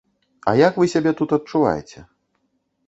А як вы сябе тут адчуваеце?